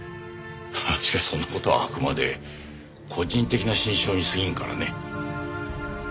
しかしそんな事はあくまで個人的な心証に過ぎんからね。